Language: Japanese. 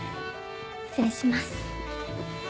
失礼します。